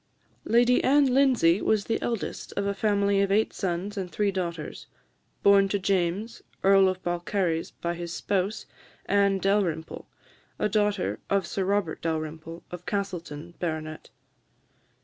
Lady Anne Lindsay was the eldest of a family of eight sons and three daughters, born to James, Earl of Balcarres, by his spouse, Anne Dalrymple, a daughter of Sir Robert Dalrymple, of Castleton, Bart.